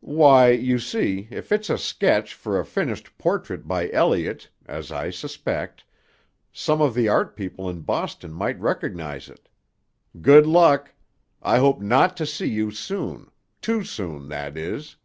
"Why, you see, if it's a sketch for a finished portrait by Elliott, as I suspect, some of the art people in Boston might recognize it. Good luck! I hope not to see you soon; too soon, that is!"